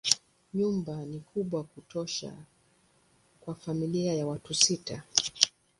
Nyumba ni kubwa kutosha kwa familia ya watu sita.